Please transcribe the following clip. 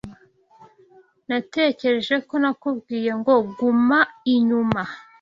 Natekereje ko nakubwiye ngo guma inyuma.